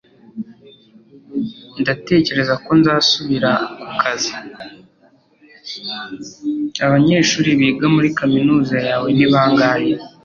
Abanyeshuri biga muri kaminuza yawe ni bangahe?